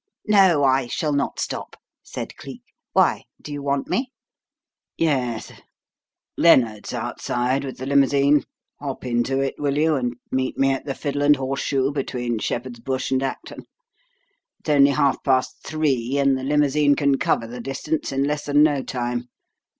"No, I shall not stop," said Cleek. "Why? Do you want me?" "Yes. Lennard's outside with the limousine. Hop into it, will you, and meet me at the Fiddle and Horseshoe, between Shepherd's Bush and Acton? It's only half past three and the limousine can cover the distance in less than no time.